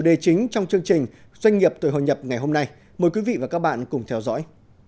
doanh nghiệp tuổi hồi nhập ngày hôm nay mời quý vị và các bạn cùng theo dõi